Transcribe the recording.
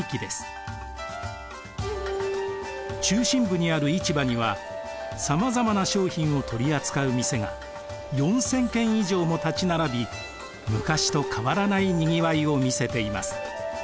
中心部にある市場にはさまざまな商品を取り扱う店が４，０００軒以上も立ち並び昔と変わらないにぎわいを見せています。